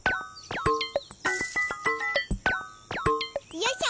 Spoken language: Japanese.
よいしょ。